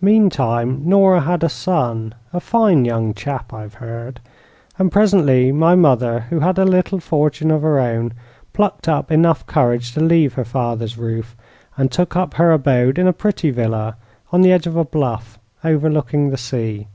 "Meantime Nora had a son, a fine young chap, I've heard; and presently my mother, who had a little fortune of her own, plucked up enough courage to leave her father's roof, and took up her abode in a pretty villa on the edge of a bluff overlooking the sea.